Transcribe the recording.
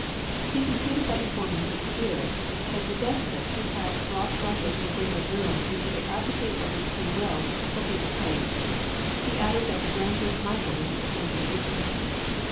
He concluded by informing his hearers that the despot who had brought Russia to the brink of ruin would either abdicate of his free will, or be deposed. He added that the Grand Duke Michael would be appointed Regent.